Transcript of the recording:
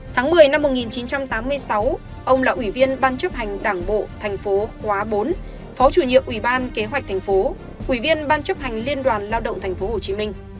tháng một mươi năm một nghìn chín trăm tám mươi sáu ông là quỷ viên ban chấp hành đảng bộ tp khoá bốn phó chủ nhiệm ủy ban kế hoạch tp hcm quỷ viên ban chấp hành liên đoàn lao động tp hcm